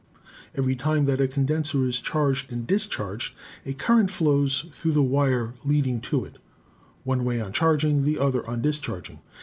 Every time that a condenser is charged and discharged a current flows through the wire leading to it, one way on charging, the other on discharging.